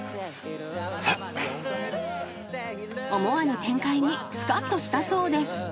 ［思わぬ展開にスカッとしたそうです］